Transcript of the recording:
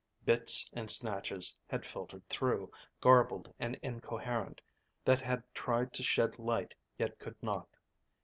Bits and snatches had filtered through, garbled and incoherent, that had tried to shed light yet could not.